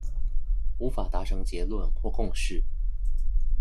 無法達成結論或共識